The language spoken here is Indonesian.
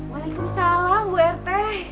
waalaikumsalam bu rt